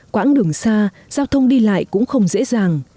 quãng đường xa giao thông đi lại cũng không dễ dàng